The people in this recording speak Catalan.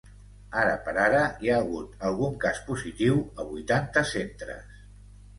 Ara per ara, hi ha hagut algun cas positiu a vuitanta centres.